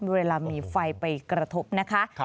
เวลามีไฟไปกระทบนะคะ